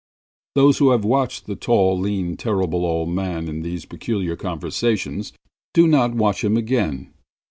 Those who have watched the tall, lean, Terrible Old Man in these peculiar conversations do not watch him again.